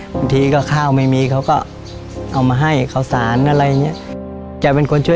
บางทีก็ข้าวไม่มีเขาก็เอามาให้เขาสานอะไรอย่างนี้